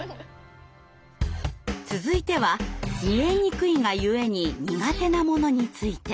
続いては見えにくいがゆえに苦手なものについて。